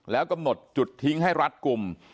แล้วกำหนดจุดทิ้งให้รัดกลุ่ม